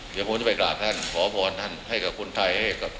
เดี๋ยวผมจะไปกราบท่านขอบอนท่านให้กับคุณไทย